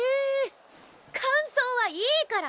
感想はいいから！